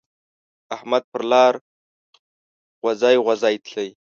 احمد پر لار غوزی غوزی تلی.